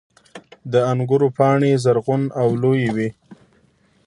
• د انګورو پاڼې زرغون او لویې وي.